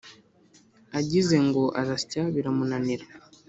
Agize ngo arasya biramunanira